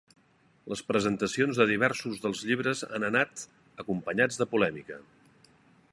Les presentacions de diversos dels llibres han anat acompanyats de polèmica.